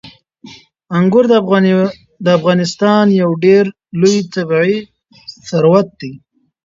انګور د افغانستان یو ډېر لوی طبعي ثروت دی.